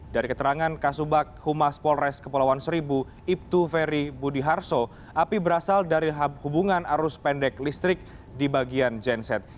dari keterangan kasubag humas polres kepulauan seribu ibtu ferry budiharso api berasal dari hubungan arus pendek listrik di bagian genset